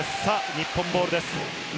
日本ボールです。